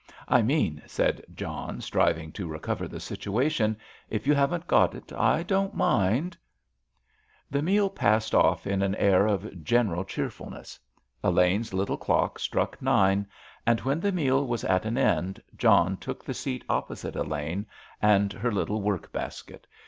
"I mean," said John, striving to recover the situation, "if you haven't got it, I don't mind." The meal passed off in an air of general cheerfulness. Elaine's little clock struck nine, and when the meal was at an end John took the seat opposite Elaine and her little work basket.